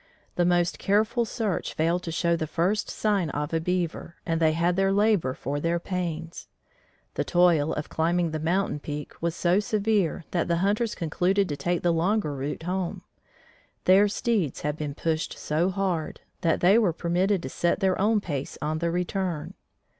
The most careful search failed to show the first sign of a beaver and they had their labor for their pains. The toil of climbing the mountain peak was so severe that the hunters concluded to take the longer route home. Their steeds had been pushed so hard, that they were permitted to set their own pace on the return.